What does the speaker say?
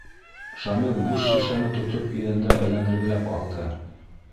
Шамил буш шешәне тотоп иҙәндә әйләндергеләп алды: